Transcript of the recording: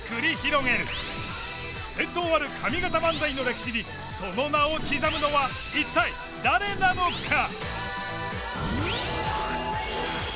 伝統ある上方漫才の歴史にその名を刻むのは一体誰なのか！？